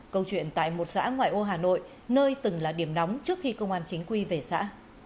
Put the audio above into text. câu chuyện tại một xã ngoại ô hà nội nơi từng là điểm nóng trước khi công an chính quy về xã